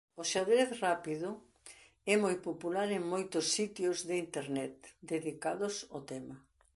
O xadrez rápido é moi popular en moitos sitios de internet dedicados ao tema.